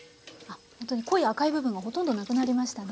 ほんとに濃い赤い部分がほとんど無くなりましたね。